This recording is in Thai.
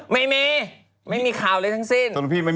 ไม่มีไม่มีข่าวเลยทั้งสิ้นเดี๋ยวนี้หรือ